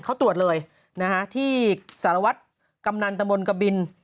เขาตรวจเลยที่สารวัตรกำนันตำบลกบิน